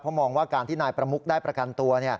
มองว่าการที่นายประมุกได้ประกันตัว